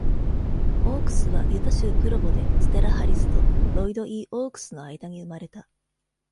オークスはユタ州プロボで、ステラ・ハリスとロイド・ E ・オークスの間に生まれた。